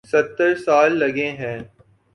ستر سال لگے ہیں۔